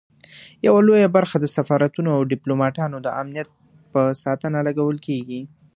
یوه لویه برخه د سفارتونو او ډیپلوماټانو د امنیت په ساتنه لګول کیږي.